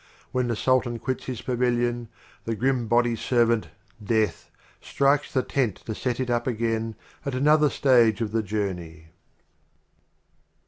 When the Sultan quits his Pavilion, The Grim Body Servant, Death, strikes the Tent to set it up again at Another Stage of the Journey.